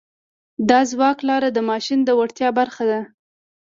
د ځواک لاره د ماشین د وړتیا برخه ده.